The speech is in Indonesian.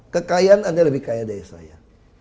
kekayaan anda lebih kaya dari saya